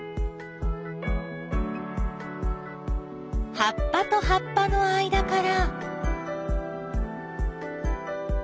葉っぱと葉っぱの間から。